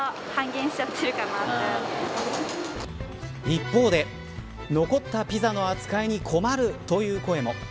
一方で残ったピザの扱いに困るという声も。